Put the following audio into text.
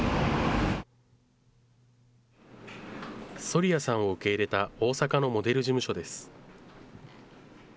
ソリヤさんを受け入れた大阪のモデル事務所です。